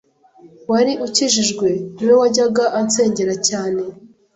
wari ukijijjwe ni we wajyaga ansengera cyane